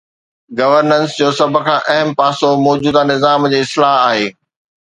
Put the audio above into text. Governance جو سڀ کان اهم پاسو موجوده نظام جي اصلاح آهي.